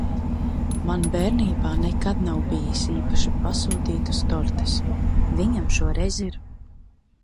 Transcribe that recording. Man bērnībā nekad nav bijis īpaši pasūtītas tortes, viņam šoreiz ir.